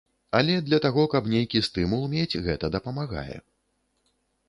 Але для таго, каб нейкі стымул мець, гэта дапамагае.